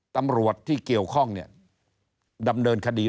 ตำรวจที่เกี่ยวข้องเนี่ย